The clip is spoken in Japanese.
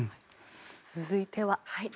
続いては。